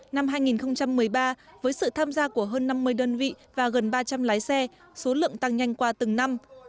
năm hai nghìn một mươi ba với sự tham gia của hơn năm mươi đơn vị và gần ba trăm linh lái xe số lượng tăng nhanh qua từng năm